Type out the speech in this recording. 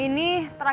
jangan terus marah